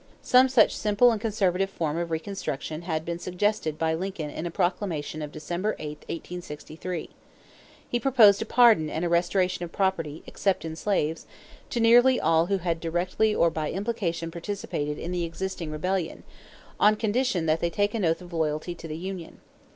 = Some such simple and conservative form of reconstruction had been suggested by Lincoln in a proclamation of December 8, 1863. He proposed pardon and a restoration of property, except in slaves, to nearly all who had "directly or by implication participated in the existing rebellion," on condition that they take an oath of loyalty to the union.